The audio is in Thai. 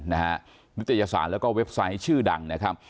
นิตยสารและเว็บไซต์ชื่อดัง